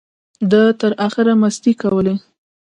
ده تر اخره مستۍ کولې.